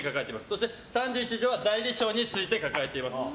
そして３１条は代理商について書かれています。